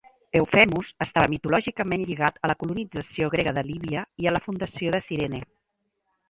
Eufemus estava mitològicament lligat a la colonització grega de Líbia i a la fundació de Cirene.